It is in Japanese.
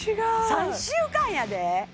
３週間やで？